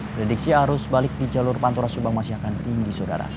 prediksi arus balik di jalur pantura subang masih akan tinggi saudara